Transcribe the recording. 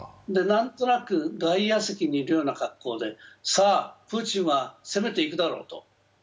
なんとなく外野席にいるような格好でさあ、プーチンは攻めていくだろうと。